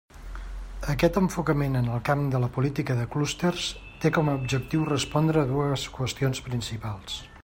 Aquest enfocament en el camp de la política de clústers té com a objectiu respondre a dues qüestions principals.